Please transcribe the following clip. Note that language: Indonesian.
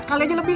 kali aja lebih